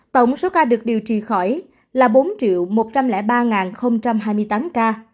tổng số ca được điều trị khỏi là bốn một trăm linh ba hai mươi tám ca